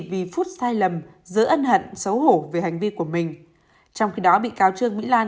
vì phút sai lầm giữa ân hận xấu hổ về hành vi của mình trong khi đó bị cáo trương mỹ lan